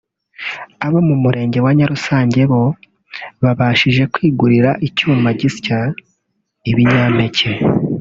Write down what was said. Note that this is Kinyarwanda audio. abo mu Murenge wa Nyarusange bo babashije kwigurira icyuma gisya ibinyampeke